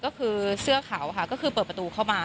ก็คือเสื้อขาวค่ะก็คือเปิดประตูเข้ามา